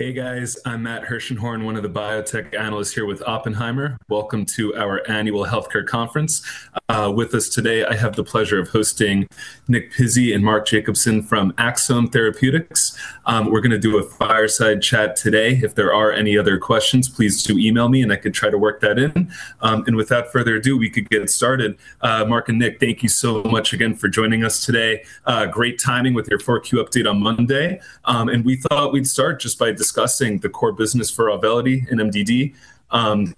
Hey, guys, I'm Matt Hershenhorn, one of the biotech analysts here with Oppenheimer. Welcome to our annual healthcare conference. With us today, I have the pleasure of hosting Nick Pizzie and Mark Jacobson from Axsome Therapeutics. We're gonna do a fireside chat today. If there are any other questions, please do email me, and I can try to work that in. Without further ado, we could get started. Mark and Nick, thank you so much again for joining us today. Great timing with your 4Q update on Monday. We thought we'd start just by discussing the core business for Auvelity in MDD.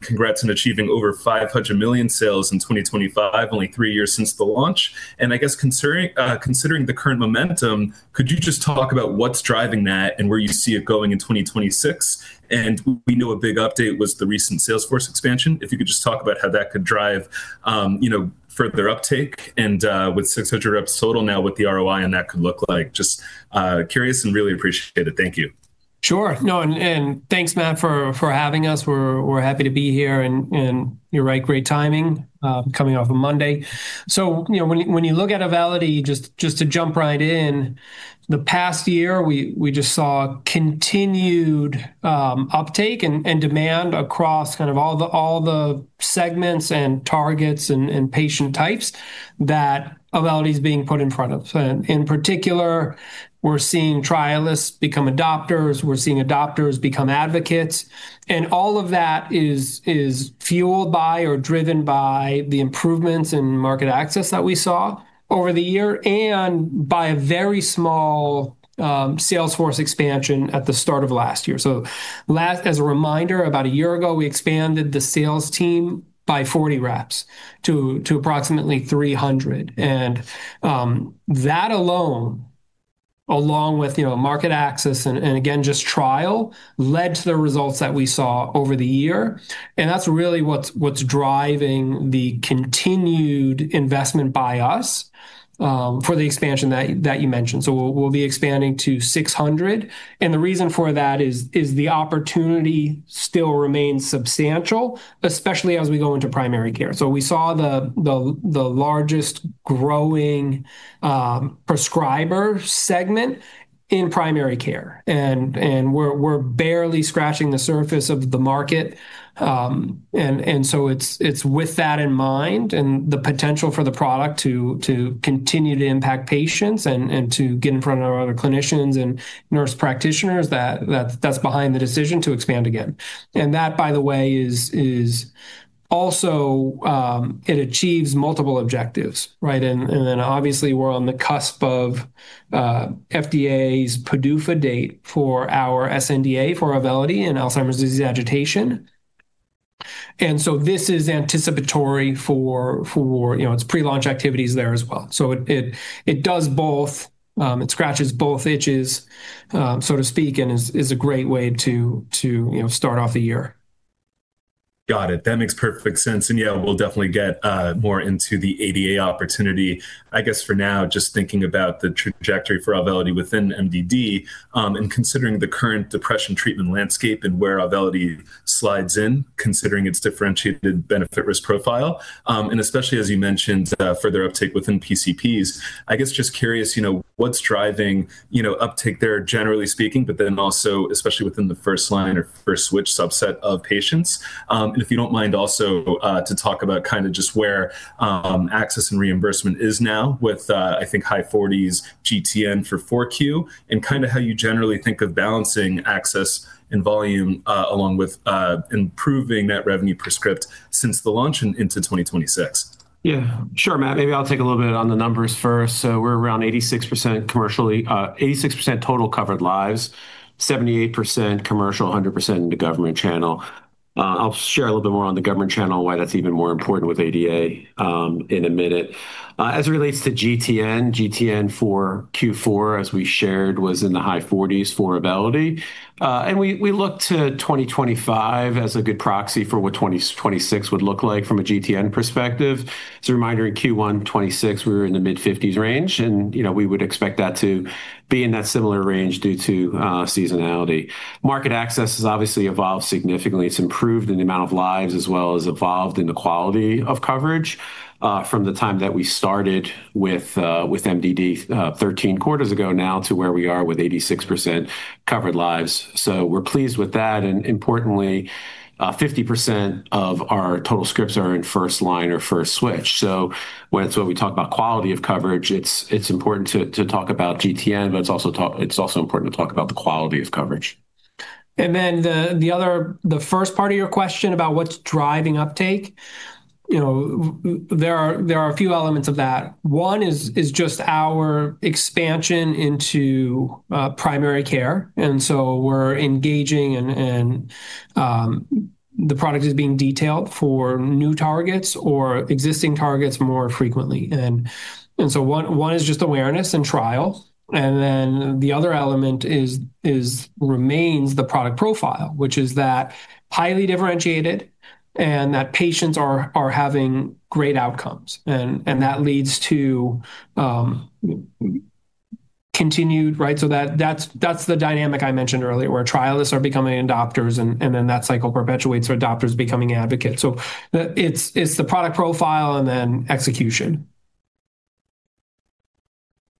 Congrats on achieving over $500 million sales in 2025, only three years since the launch, I guess considering the current momentum, could you just talk about what's driving that and where you see it going in 2026? We know a big update was the recent sales force expansion. If you could just talk about how that could drive, you know, further uptake and with 600 reps total now, what the ROI on that could look like? Just curious and really appreciate it. Thank you. Sure. No, and thanks, Matt, for having us. We're happy to be here and you're right, great timing, coming off on Monday. You know, when you look at Auvelity, just to jump right in, the past year, we just saw continued uptake and demand across kind of all the segments and targets and patient types that Auvelity is being put in front of. In particular, we're seeing trialists become adopters, we're seeing adopters become advocates, and all of that is fueled by or driven by the improvements in market access that we saw over the year and by a very small sales force expansion at the start of last year. As a reminder, about a year ago, we expanded the sales team by 40 reps to approximately 300. That alone, along with, you know, market access and again, just trial, led to the results that we saw over the year. That's really what's driving the continued investment by us for the expansion that you mentioned. We'll be expanding to 600. The reason for that is the opportunity still remains substantial, especially as we go into primary care. We saw the largest growing prescriber segment in primary care, and we're barely scratching the surface of the market, and so it's with that in mind and the potential for the product to continue to impact patients and to get in front of other clinicians and nurse practitioners, that's behind the decision to expand again. That, by the way, is also. It achieves multiple objectives, right? Then obviously, we're on the cusp of FDA's PDUFA date for our sNDA for Auvelity in Alzheimer's disease agitation. This is anticipatory for, you know, it's pre-launch activities there as well. It does both, it scratches both itches, so to speak, and is a great way to, you know, start off the year. Got it. That makes perfect sense. Yeah, we'll definitely get more into the ADA opportunity. I guess, for now, just thinking about the trajectory for Auvelity within MDD, and considering the current depression treatment landscape and where Auvelity slides in, considering its differentiated benefit-risk profile, and especially as you mentioned, further uptake within PCPs. I guess just curious, you know, what's driving, you know, uptake there, generally speaking, but then also especially within the first line or first switch subset of patients? If you don't mind also, to talk about kinda just where access and reimbursement is now with, I think high 40s GTN for 4Q, and kinda how you generally think of balancing access and volume, along with improving that revenue per script since the launch into 2026. Yeah. Sure, Matt. Maybe I'll take a little bit on the numbers first. We're around 86% commercially, 86% total covered lives, 78% commercial, 100% in the government channel. I'll share a little bit more on the government channel, why that's even more important with ADA, in a minute. As it relates to GTN for Q4, as we shared, was in the high 40s% for Auvelity. We look to 2025 as a good proxy for what 2026 would look like from a GTN perspective. As a reminder, in Q1 2026, we were in the mid-50s% range, you know, we would expect that to be in that similar range due to seasonality. Market access has obviously evolved significantly. It's improved in the amount of lives as well as evolved in the quality of coverage, from the time that we started with MDD, 13 quarters ago now to where we are with 86% covered lives. We're pleased with that, and importantly, 50% of our total scripts are in first line or first switch. When we talk about quality of coverage, it's important to talk about GTN, but it's also important to talk about the quality of coverage. The other, the first part of your question about what's driving uptake, you know, there are a few elements of that. One is just our expansion into primary care, we're engaging and the product is being detailed for new targets or existing targets more frequently. One is just awareness and trial, the other element is remains the product profile, which is that highly differentiated and that patients are having great outcomes, and that leads to continued, right? That's the dynamic I mentioned earlier, where trialists are becoming adopters, and then that cycle perpetuates to adopters becoming advocates. It's the product profile and then execution.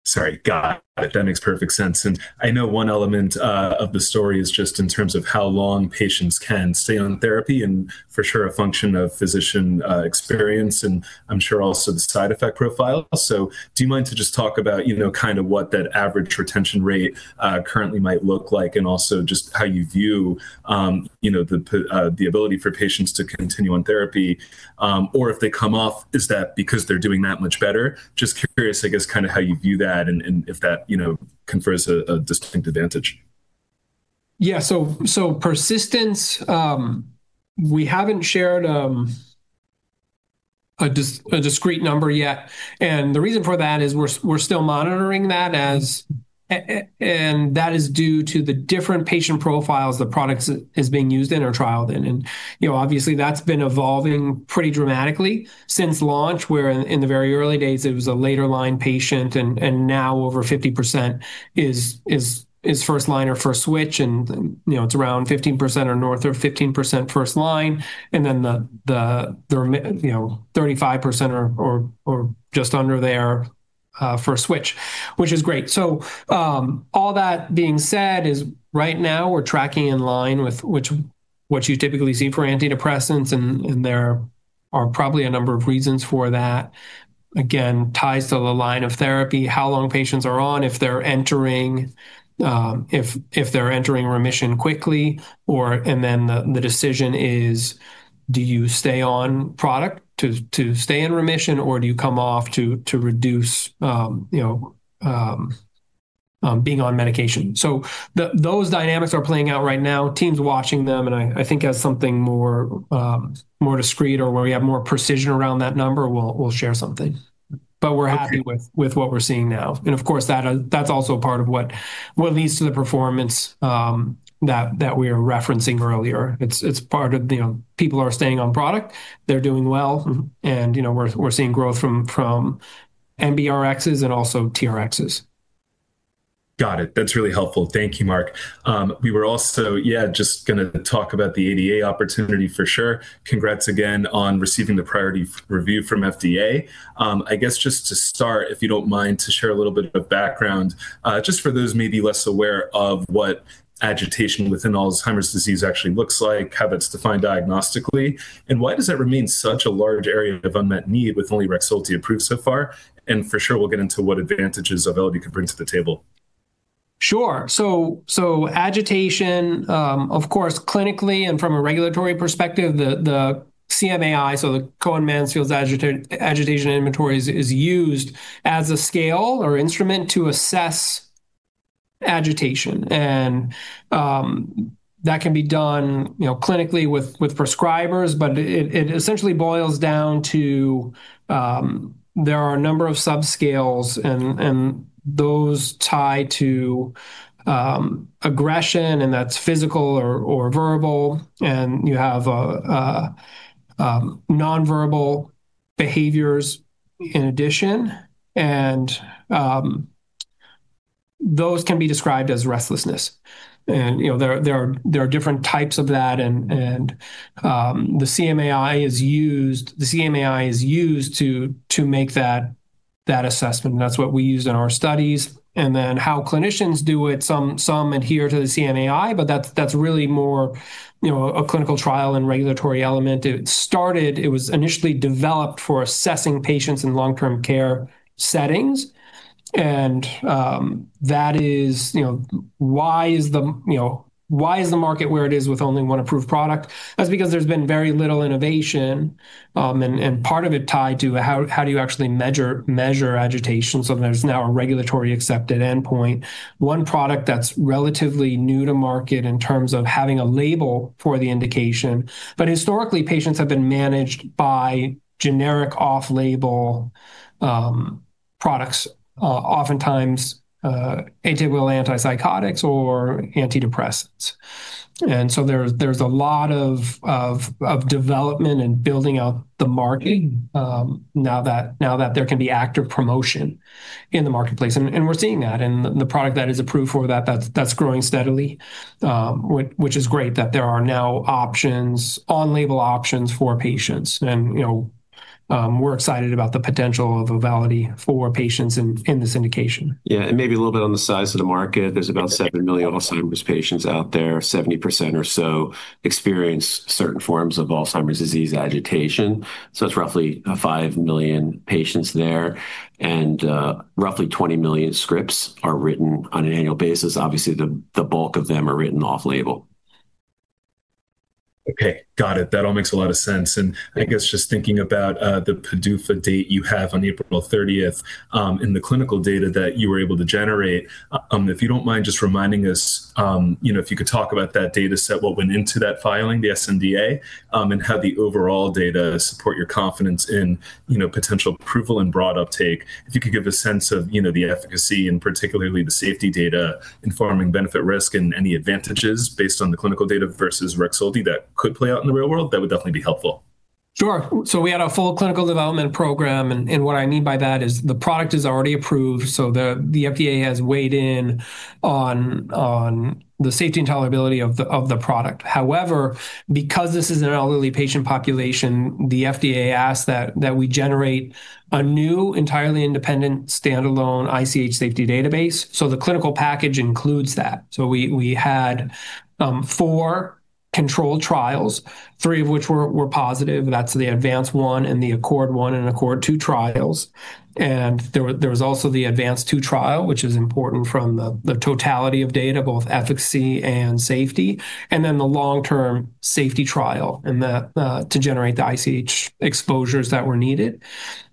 Sorry, got it. That makes perfect sense. I know one element of the story is just in terms of how long patients can stay on therapy, and for sure, a function of physician experience, and I'm sure also the side effect profile. Do you mind to just talk about, you know, kind of what that average retention rate currently might look like? Also just how you view, you know, the ability for patients to continue on therapy, or if they come off, is that because they're doing that much better? Just curious, I guess, kind of how you view that and if that, you know, confers a distinct advantage. Yeah. So persistence, we haven't shared a discrete number yet, and the reason for that is we're still monitoring that and that is due to the different patient profiles the product is being used in or trialed in. You know, obviously, that's been evolving pretty dramatically since launch, where in the very early days, it was a later-line patient. Now over 50% is first line or first switch. You know, it's around 15% or north of 15% first line. Then the you know, 35% or just under there, first switch, which is great. All that being said is right now we're tracking in line with what you typically see for antidepressants, and there are probably a number of reasons for that. Again, ties to the line of therapy, how long patients are on, if they're entering remission quickly, or. The decision is, do you stay on product to stay in remission, or do you come off to reduce, you know, being on medication? Those dynamics are playing out right now. Team's watching them, and I think as something more discrete or where we have more precision around that number, we'll share something. Okay. We're happy with what we're seeing now. Of course, that's also part of what leads to the performance that we were referencing earlier. It's part of, you know, people are staying on product, they're doing well, you know, we're seeing growth from NBRx and also TRx. Got it. That's really helpful. Thank you, Mark. We were also, just gonna talk about the ADA opportunity for sure. Congrats again on receiving the priority review from FDA. I guess just to start, if you don't mind, to share a little bit of background, just for those maybe less aware of what agitation within Alzheimer's disease actually looks like, how it's defined diagnostically, and why does that remain such a large area of unmet need, with only Rexulti approved so far? For sure, we'll get into what advantages Auvelity could bring to the table. Sure. Agitation, of course, clinically and from a regulatory perspective, the CMAI, so the Cohen-Mansfield Agitation Inventory is used as a scale or instrument to assess agitation. That can be done, you know, clinically with prescribers, but it essentially boils down to, there are a number of subscales, and those tie to aggression, and that's physical or verbal. You have non-verbal behaviors in addition, and those can be described as restlessness. You know, there are different types of that, and the CMAI is used to make that assessment, and that's what we used in our studies. Then how clinicians do it, some adhere to the CMAI, but that's really more, you know, a clinical trial and regulatory element. It was initially developed for assessing patients in long-term care settings. That is, you know, why is the, you know, market where it is with only one approved product? That's because there's been very little innovation, and part of it tied to how do you actually measure agitation, so there's now a regulatory-accepted endpoint. One product that's relatively new to market in terms of having a label for the indication, but historically, patients have been managed by generic off-label products, oftentimes atypical antipsychotics or antidepressants. There's a lot of development and building out the market, now that there can be active promotion in the marketplace. We're seeing that, and the product that is approved for that's growing steadily, which is great that there are now on-label options for patients. You know, we're excited about the potential of Auvelity for patients in this indication. Yeah, maybe a little bit on the size of the market. There's about seven million Alzheimer's patients out there. 70% or so experience certain forms of Alzheimer's disease agitation, so it's roughly five million patients there, and roughly 20 million scripts are written on an annual basis. Obviously, the bulk of them are written off-label. Okay, got it. That all makes a lot of sense. I guess just thinking about the PDUFA date you have on April 30th, and the clinical data that you were able to generate, if you don't mind just reminding us, you know, if you could talk about that data set, what went into that filing, the sNDA, and how the overall data support your confidence in, you know, potential approval and broad uptake. If you could give a sense of, you know, the efficacy and particularly the safety data informing benefit, risk, and any advantages based on the clinical data versus Rexulti, that could play out in the real world, that would definitely be helpful. Sure. We had a full clinical development program, and what I mean by that is the product is already approved, the FDA has weighed in on the safety and tolerability of the product. However, because this is an elderly patient population, the FDA asked that we generate a new, entirely independent, standalone ICH safety database. The clinical package includes that. We had four controlled trials, three of which were positive. That's the ADVANCE-1 and the ACCORD-1 and ACCORD-2 trials. There was also the ADVANCE-2 trial, which is important from the totality of data, both efficacy and safety, and then the long-term safety trial, and the to generate the ICH exposures that were needed.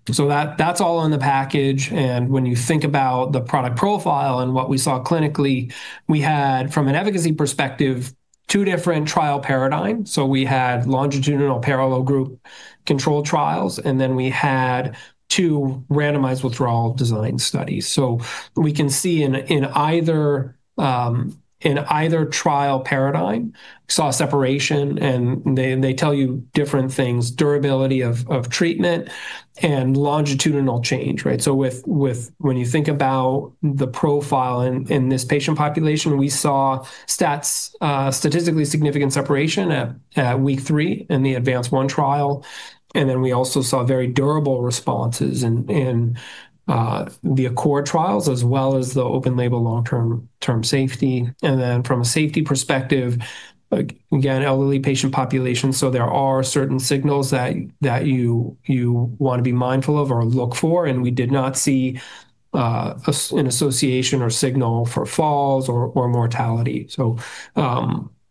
That's all in the package. When you think about the product profile and what we saw clinically, we had, from an efficacy perspective, two different trial paradigms. We had longitudinal parallel group controlled trials. Then we had two randomized withdrawal design studies. We can see in either trial paradigm, we saw a separation, and they tell you different things, durability of treatment and longitudinal change, right? When you think about the profile in this patient population, we saw statistically significant separation at week three in the ADVANCE-1 trial. Then we also saw very durable responses in the ACCORD trials, as well as the open-label long-term safety. From a safety perspective, like, again, elderly patient population, so there are certain signals that you want to be mindful of or look for, and we did not see an association or signal for falls or mortality.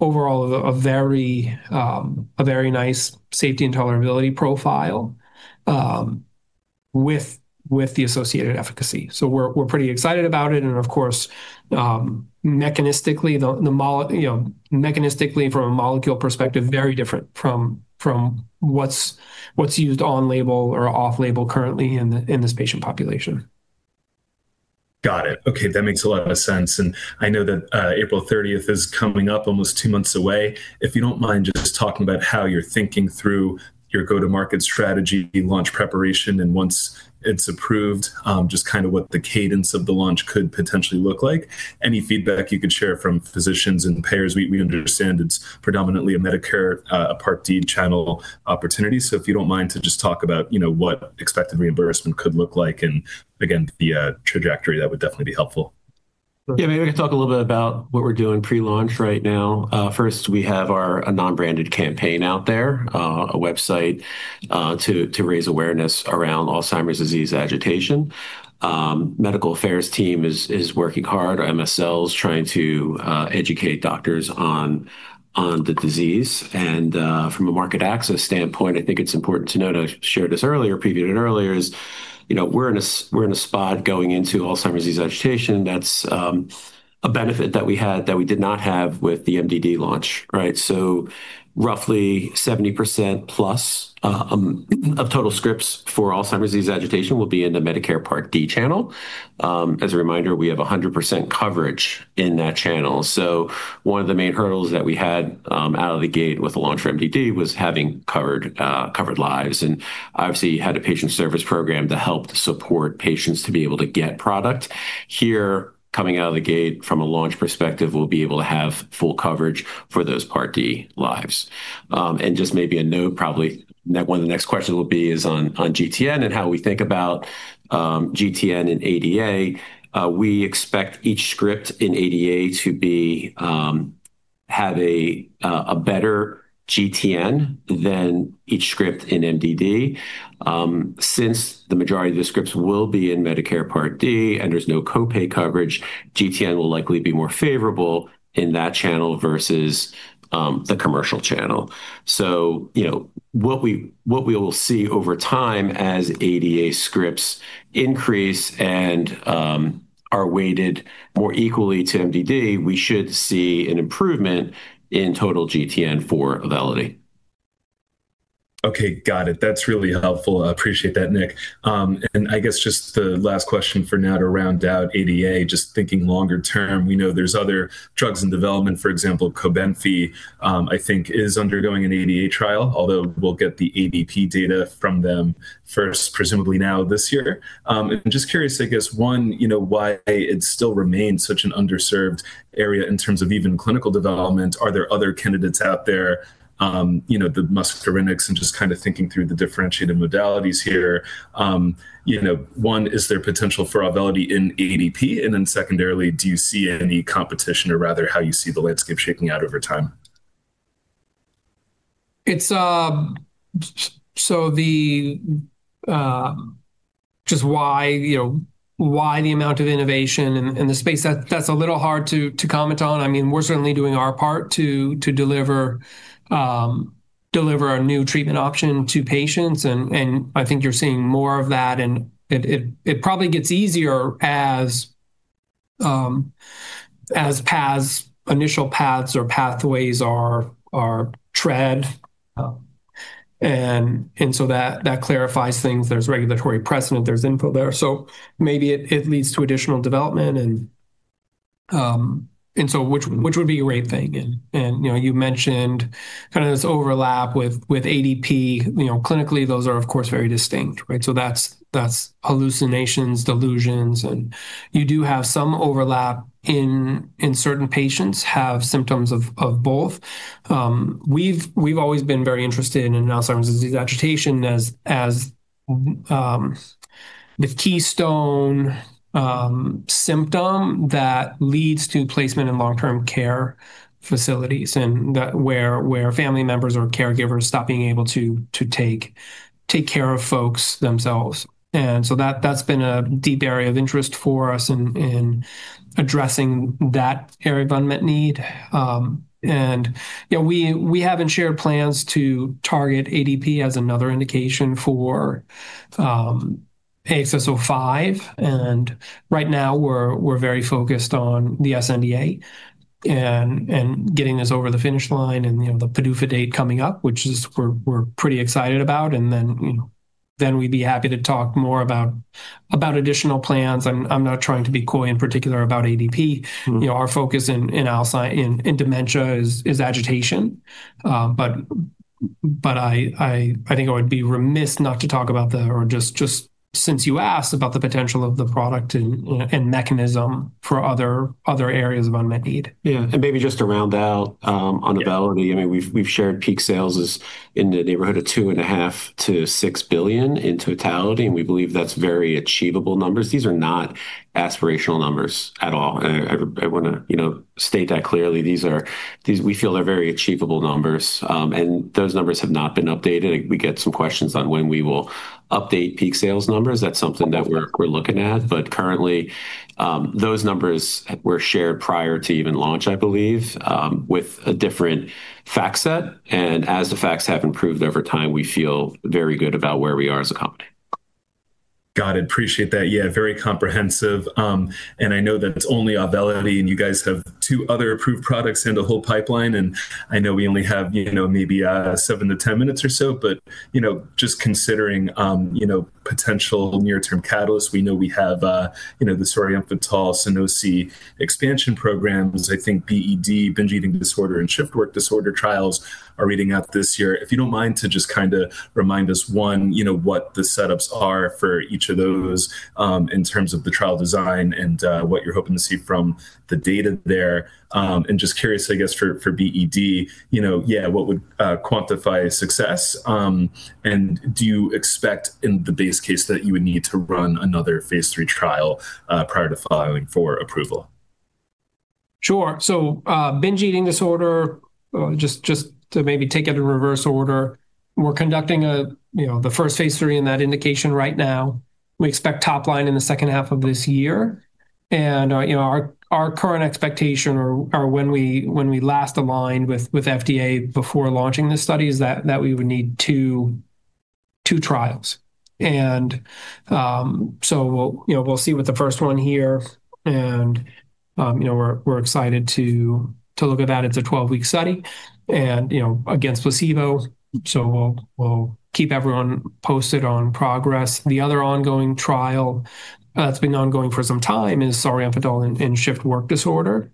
Overall, a very, a very nice safety and tolerability profile with the associated efficacy. We're pretty excited about it, and of course, mechanistically, you know, mechanistically, from a molecule perspective, very different from what's used on-label or off-label currently in this patient population. Got it. Okay, that makes a lot of sense. I know that April 30th is coming up, almost two months away. If you don't mind just talking about how you're thinking through your go-to-market strategy, launch preparation, and once it's approved, just kind of what the cadence of the launch could potentially look like. Any feedback you could share from physicians and payers, we understand it's predominantly a Medicare Part D channel opportunity. If you don't mind to just talk about, you know, what expected reimbursement could look like and, again, the trajectory, that would definitely be helpful. Maybe I can talk a little bit about what we're doing pre-launch right now. First, we have a non-branded campaign out there, a website, to raise awareness around Alzheimer's disease agitation. Medical affairs team is working hard, MSLs, trying to educate doctors on the disease. From a market access standpoint, I think it's important to note, I shared this earlier, previewed it earlier, is, you know, we're in a spot going into Alzheimer's disease agitation. That's a benefit that we had that we did not have with the MDD launch, right? Roughly 70% + of total scripts for Alzheimer's disease agitation will be in the Medicare Part D channel. As a reminder, we have 100% coverage in that channel. One of the main hurdles that we had out of the gate with the launch for MDD was having covered covered lives, and obviously, had a patient service program to help support patients to be able to get product. Here, coming out of the gate from a launch perspective, we'll be able to have full coverage for those Part D lives. Just maybe a note, probably, one of the next questions will be is on GTN and how we think about GTN and ADA. We expect each script in ADA to be have a better GTN than each script in MDD. Since the majority of the scripts will be in Medicare Part D, and there's no co-pay coverage, GTN will likely be more favorable in that channel versus the commercial channel. You know, what we will see over time as ADA scripts increase and are weighted more equally to MDD, we should see an improvement in total GTN for Auvelity. Okay, got it. That's really helpful. I appreciate that, Nick. I guess just the last question for now to round out ADA, just thinking longer term, we know there's other drugs in development, for example, Cobenfy, I think is undergoing an ADA trial, although we'll get the ADP data from them first, presumably now, this year. I'm just curious, I guess, one, you know, why it still remains such an underserved area in terms of even clinical development. Are there other candidates out there, you know, the muscarinics and just kind of thinking through the differentiated modalities here? You know, one, is there potential for Auvelity in ADP? Secondarily, do you see any competition, or rather, how you see the landscape shaping out over time? It's, so the, just why, you know, why the amount of innovation in the space, that's a little hard to comment on. I mean, we're certainly doing our part to deliver a new treatment option to patients, and I think you're seeing more of that, and it probably gets easier as paths, initial paths or pathways are tread. That clarifies things. There's regulatory precedent, there's input there, maybe it leads to additional development and- Which, which would be a great thing? You know, you mentioned kind of this overlap with ADP. You know, clinically, those are, of course, very distinct, right? That's, that's hallucinations, delusions, and you do have some overlap in certain patients have symptoms of both. We've always been very interested in Alzheimer's disease agitation as the keystone symptom that leads to placement in long-term care facilities, and that where family members or caregivers stop being able to take care of folks themselves. That's been a deep area of interest for us in addressing that area of unmet need. You know, we haven't shared plans to target ADP as another indication for AXS-05, and right now we're very focused on the sNDA and getting this over the finish line and, you know, the PDUFA date coming up, which is we're pretty excited about. Then, you know, then we'd be happy to talk more about additional plans. I'm not trying to be coy, in particular, about ADP. Mm-hmm. You know, our focus in dementia is agitation. I think I would be remiss not to talk about or just since you asked about the potential of the product and mechanism for other areas of unmet need. Yeah, and maybe just to round out. Yeah Auvelity, I mean, we've shared peak sales is in the neighborhood of $2.5 billion-$6 billion in totality. We believe that's very achievable numbers. These are not aspirational numbers at all. I wanna, you know, state that clearly. These we feel are very achievable numbers, and those numbers have not been updated. We get some questions on when we will update peak sales numbers. That's something that we're looking at. Currently, those numbers were shared prior to even launch, I believe, with a different fact set, and as the facts have improved over time, we feel very good about where we are as a company. Got it. Appreciate that. Yeah, very comprehensive. I know that it's only Auvelity, and you guys have two other approved products in the whole pipeline, and I know we only have, you know, maybe, 7-10 minutes or so. Just considering, you know, potential near-term catalysts, we know we have the solriamfetol Sunosi expansion programs. I think BED, binge eating disorder, and shift work disorder trials are reading out this year. If you don't mind to just kind of remind us, One, you know, what the setups are for each of those in terms of the trial design and what you're hoping to see from the data there. Just curious, I guess, for BED, you know, what would quantify success? Do you expect, in the base case, that you would need to run another phase III trial prior to filing for approval? Sure. Binge eating disorder, just to maybe take it in reverse order, we're conducting a, you know, the first phase III in that indication right now. We expect top line in the second half of this year, you know, our current expectation or when we last aligned with FDA before launching this study, is that we would need two trials. You know, we'll see with the first one here, you know, we're excited to look at that. It's a 12-week study, you know, against placebo, we'll keep everyone posted on progress. The other ongoing trial that's been ongoing for some time is solriamfetol in shift work disorder,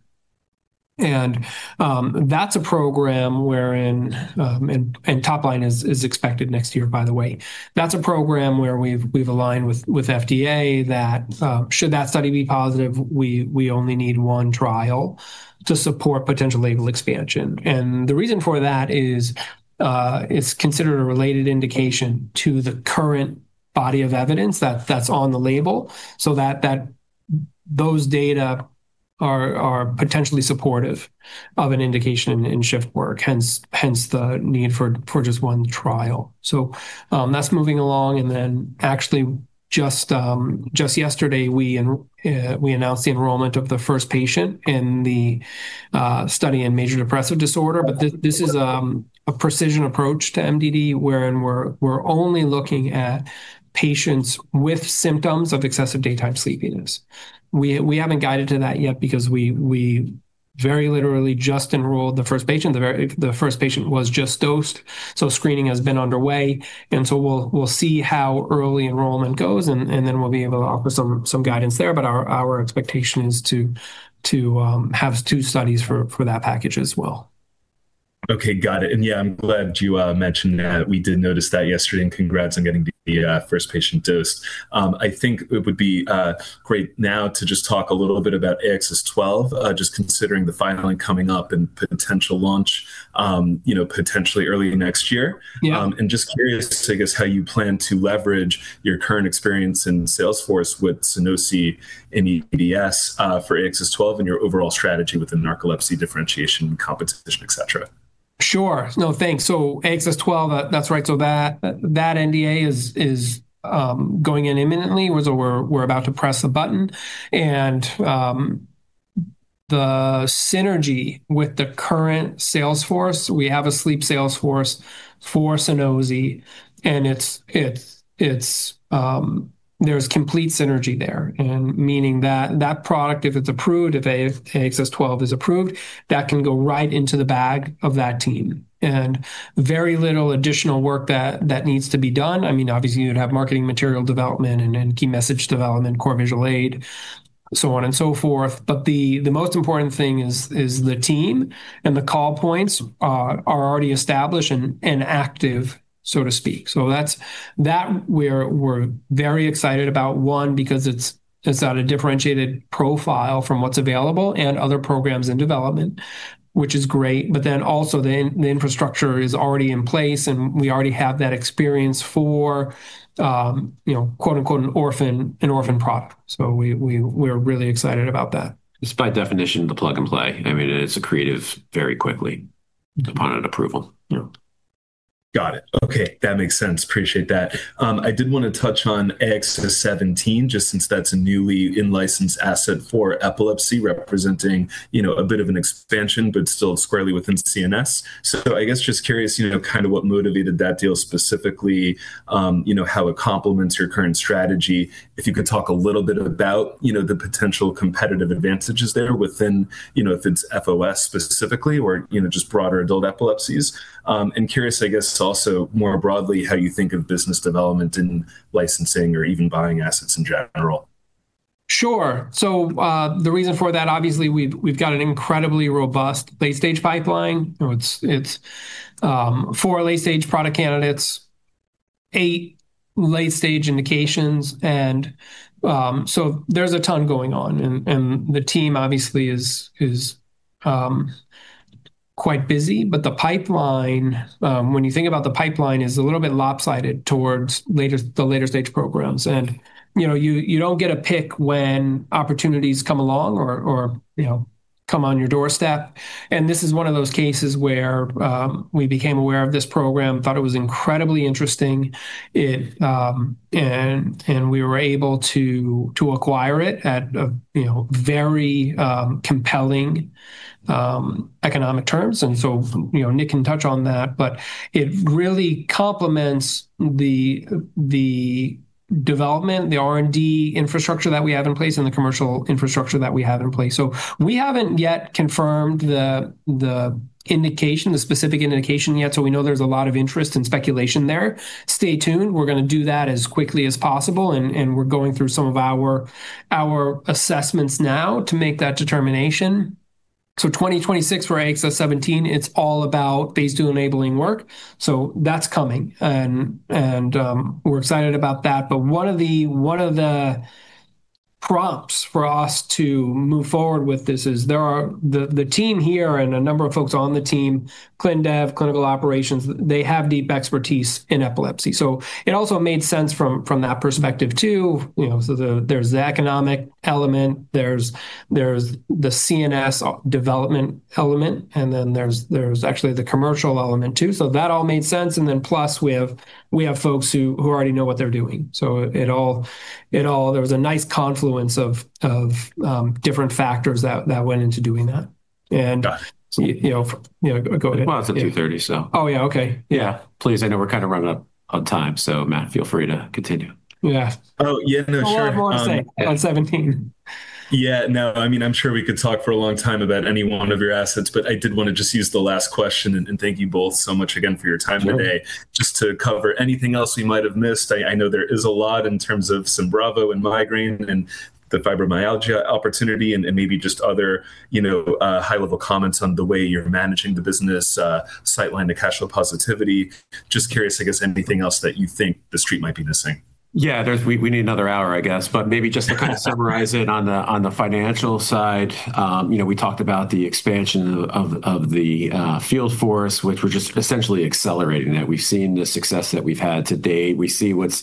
that's a program wherein top line is expected next year, by the way. That's a program where we've aligned with FDA that should that study be positive, we only need one trial to support potential label expansion. The reason for that is it's considered a related indication to the current body of evidence that's on the label, so those data are potentially supportive of an indication in shift work, hence the need for just one trial. That's moving along, and then actually just yesterday, we announced the enrollment of the first patient in the study in Major Depressive Disorder. This is a precision approach to MDD, wherein we're only looking at patients with symptoms of excessive daytime sleepiness. We haven't guided to that yet because we very literally just enrolled the first patient. The first patient was just dosed, so screening has been underway. We'll see how early enrollment goes, then we'll be able to offer some guidance there. Our expectation is to have two studies for that package as well. Okay, got it. Yeah, I'm glad you mentioned that. We did notice that yesterday, and congrats on getting the first patient dosed. I think it would be great now to just talk a little bit about AXS-12, just considering the filing coming up and potential launch, you know, potentially early next year. Yeah. Just curious, I guess, how you plan to leverage your current experience in sales force with Sunosi and EDS, for AXS-12 and your overall strategy within narcolepsy differentiation, competition, et cetera. Sure. No, thanks. AXS-12, that's right. That NDA is going in imminently. We're about to press the button, and the synergy with the current sales force, we have a sleep sales force for Sunosi, and it's complete synergy there, and meaning that product, if it's approved, if AXS-12 is approved, that can go right into the bag of that team, and very little additional work that needs to be done. I mean, obviously, you'd have marketing material development and key message development, core visual aid, so on and so forth. The most important thing is the team, and the call points are already established and active, so to speak. That we're very excited about, one, because it's at a differentiated profile from what's available and other programs in development, which is great, also the infrastructure is already in place, and we already have that experience for, you know, quote-unquote, "an orphan product". We're really excited about that. It's by definition the plug and play. I mean, it's a creative very quickly upon an approval, you know? Got it. Okay, that makes sense. Appreciate that. I did want to touch on AXS-17, just since that's a newly in-license asset for epilepsy, representing, you know, a bit of an expansion, but still squarely within CNS. I guess just curious, you know, kind of what motivated that deal specifically, you know, how it complements your current strategy. If you could talk a little bit about, you know, the potential competitive advantages there within, you know, if it's FOS specifically, or, you know, just broader adult epilepsies. Curious, I guess, also, more broadly, how you think of business development in licensing or even buying assets in general. Sure. The reason for that, obviously, we've got an incredibly robust late-stage pipeline. You know, it's four late-stage product candidates, eight late-stage indications. There's a ton going on, and the team obviously is quite busy. The pipeline, when you think about the pipeline, is a little bit lopsided towards the later-stage programs. You know, you don't get a pick when opportunities come along or, you know, come on your doorstep, and this is one of those cases where, we became aware of this program, thought it was incredibly interesting. It. We were able to acquire it at a, you know, very, compelling, economic terms, and so, you know, Nick Pizzie can touch on that. It really complements the development, the R&D infrastructure that we have in place and the commercial infrastructure that we have in place. We haven't yet confirmed the indication, the specific indication yet, so we know there's a lot of interest and speculation there. Stay tuned, we're going to do that as quickly as possible, and we're going through some of our assessments now to make that determination. 2026 for AXS-17, it's all about phase II enabling work, so that's coming, and we're excited about that. One of the prompts for us to move forward with this is the team here and a number of folks on the team, clin dev, clinical operations, they have deep expertise in epilepsy, so it also made sense from that perspective, too. You know, there's the economic element, there's the CNS development element, and then there's actually the commercial element, too. That all made sense, and then plus, we have folks who already know what they're doing. It all there was a nice confluence of different factors that went into doing that. Got- You know, Go ahead. Well, it's at 2:30, so. Oh, yeah, okay. Yeah. Please, I know we're kind of running up on time. Matt, feel free to continue. Yeah. Oh, yeah. No, sure. Well, I have more to say on AXS-17. Yeah, no, I mean, I'm sure we could talk for a long time about any one of your assets, but I did want to just use the last question, and thank you both so much again for your time today. Sure Just to cover anything else we might have missed. I know there is a lot in terms of Symbravo and migraine and the fibromyalgia opportunity and maybe just other, you know, high-level comments on the way you're managing the business, sightline to cash flow positivity. Just curious, I guess, anything else that you think the street might be missing? Yeah, we need 1 hour, I guess, but maybe just to kind of summarize it on the financial side, you know, we talked about the expansion of the field force, which we're just essentially accelerating it. We've seen the success that we've had to date. We see what's,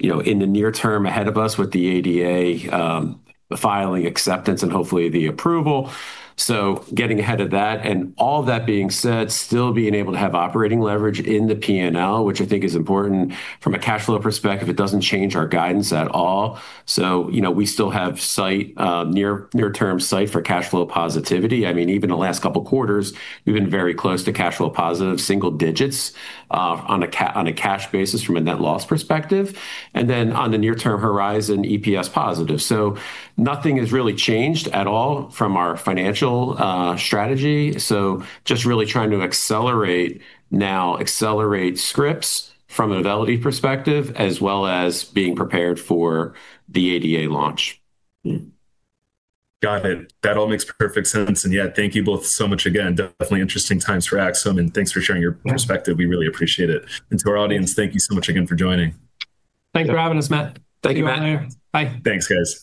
you know, in the near term ahead of us with the ADA filing acceptance and hopefully the approval, so getting ahead of that. All that being said, still being able to have operating leverage in the P&L, which I think is important from a cash flow perspective, it doesn't change our guidance at all. You know, we still have sight, near-term sight for cash flow positivity. I mean, even the last couple of quarters, we've been very close to cash flow positive, single digits, on a cash basis from a net loss perspective, and then on the near-term horizon, EPS positive. Nothing has really changed at all from our financial strategy, just really trying to accelerate now, accelerate scripts from a novelty perspective, as well as being prepared for the ADA launch. Got it. That all makes perfect sense. Yeah, thank you both so much again. Definitely interesting times for Axsome. Thanks for sharing your perspective. Yeah. We really appreciate it. To our audience, thank you so much again for joining. Thanks for having us, Matt. Thank you, Matt. Bye. Thanks, guys.